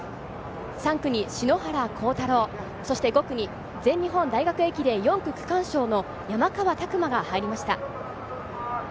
３区に篠原倖太朗、そして５区に全日本大学駅伝４区区間賞の山川拓馬が入りました。